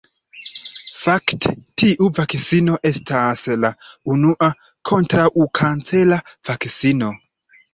Fakte, tiu vakcino estas la unua kontraŭkancera vakcino.